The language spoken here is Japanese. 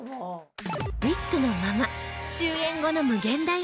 ウィッグのまま終演後の∞ホールへ